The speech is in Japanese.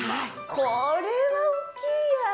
これは大きいや。